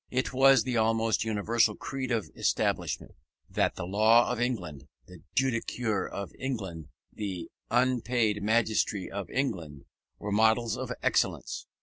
It was the almost universal creed of Englishmen, that the law of England, the judicature of England, the unpaid magistracy of England, were models of excellence.